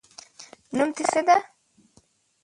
نوم دې څه ده؟